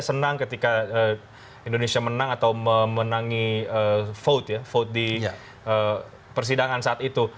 senang ketika indonesia menang atau memenangi vote ya vote di persidangan saat itu